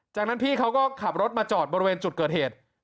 จากนั้นพี่เขาก็ขับรถมาจอดบริเวณจุดเกิดเหตุ